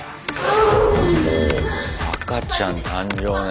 「赤ちゃん誕生」ね。